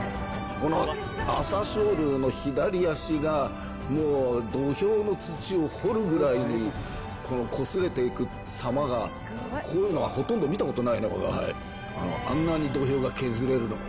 この朝青龍の左足が、もう土俵の土を掘るぐらいに、こすれていくさまが、こういうのはほとんど見たことないね、わがはい。あんなに土俵が削れるのを。